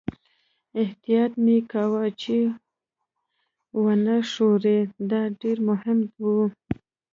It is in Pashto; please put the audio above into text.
احتیاط مې کاوه چې و نه ښوري، دا ډېره مهمه وه.